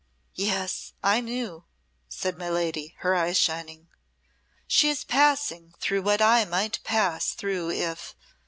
"Yes, I knew," said my lady her eyes shining. "She is passing through what I might pass through if